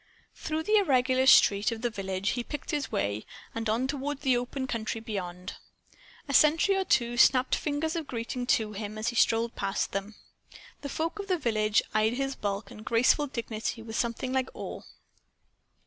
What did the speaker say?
Through the irregular street of the village he picked his way, and on toward the open country beyond. A sentry or two snapped fingers of greeting to him as he strolled past them. The folk of the village eyed his bulk and graceful dignity with something like awe.